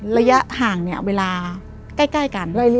ระยะห่างเวลาใกล้กัน